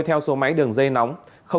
theo số máy đường dây nóng